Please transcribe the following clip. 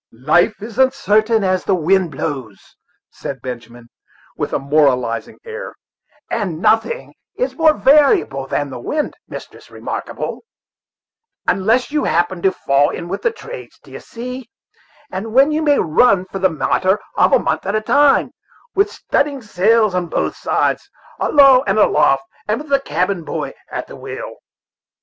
"Life is as unsartain as the wind that blows," said Benjamin, with a moralizing air; "and nothing is more varible than the wind, Mistress Remarkable, unless you happen to fall in with the trades, d'ye see, and then you may run for the matter of a month at a time, with studding sails on both sides, alow and aloft, and with the cabin boy at the wheel."